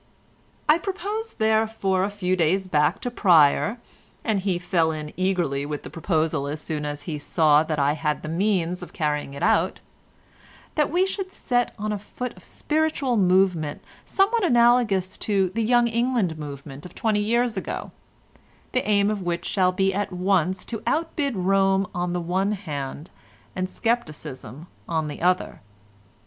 "I proposed, therefore, a few days back to Pryer—and he fell in eagerly with the proposal as soon as he saw that I had the means of carrying it out—that we should set on foot a spiritual movement somewhat analogous to the Young England movement of twenty years ago, the aim of which shall be at once to outbid Rome on the one hand, and scepticism on the other.